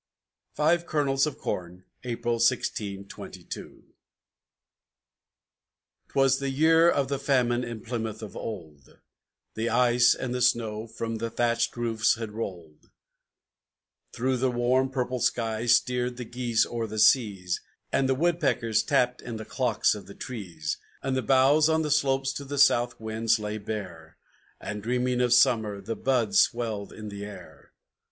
FIVE KERNELS OF CORN [April, 1622] I 'Twas the year of the famine in Plymouth of old, The ice and the snow from the thatched roofs had rolled; Through the warm purple skies steered the geese o'er the seas, And the woodpeckers tapped in the clocks of the trees; And the boughs on the slopes to the south winds lay bare, And dreaming of summer, the buds swelled in the air.